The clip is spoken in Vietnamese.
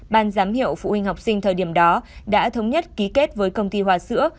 ban giám hiệu phụ huynh học sinh thời điểm đó đã thống nhất ký kết với công ty hòa sữa